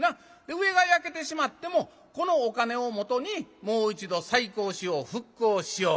上が焼けてしまってもこのお金をもとにもう一度再興しよう復興しようというね。